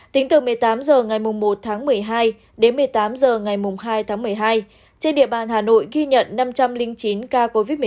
tính từ một mươi tám h ngày một tháng một mươi hai đến một mươi tám h ngày hai tháng một mươi hai trên địa bàn hà nội ghi nhận năm trăm linh chín ca covid một mươi chín